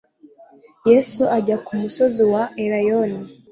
yesu ajya ku musozi wa elayono